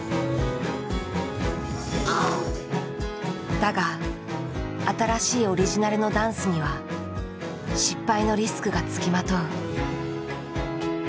だが新しいオリジナルのダンスには失敗のリスクが付きまとう。